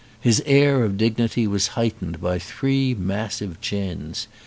His air of dignity was heightened by three massive chins.